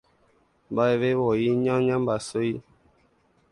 Mbaʼevevoi nañambyasýi.